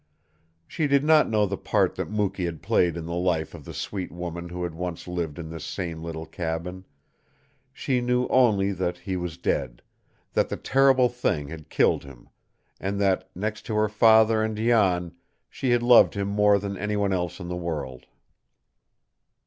She did not know the part that Mukee had played in the life of the sweet woman who had once lived in this same little cabin; she knew only that he was dead; that the terrible thing had killed him and that, next to her father and Jan, she had loved him more than any one else in the world.